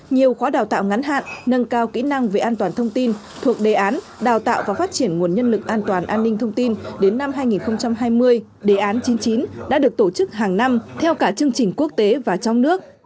nhiều khóa đào tạo ngắn hạn nâng cao kỹ năng về an toàn thông tin thuộc đề án đào tạo và phát triển nguồn nhân lực an toàn an ninh thông tin đến năm hai nghìn hai mươi đề án chín mươi chín đã được tổ chức hàng năm theo cả chương trình quốc tế và trong nước